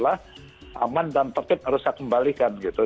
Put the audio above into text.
yang pertama adalah aman dan tetap harus saya kembalikan gitu